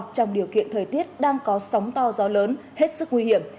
trong điều kiện thời tiết đang có sóng to gió lớn hết sức nguy hiểm